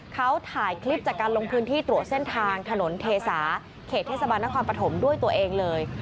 เขาถ่ายคลิปจากการลงพื้นที่ตรวจเส้นทางถนนเทสาเขตเทศบาลนครปฐมด้วยตัวเองเลย